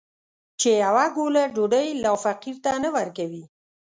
چې يوه ګوله ډوډۍ لا فقير ته نه ورکوي.